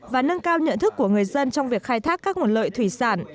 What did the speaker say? và nâng cao nhận thức của người dân trong việc khai thác các nguồn lợi thủy sản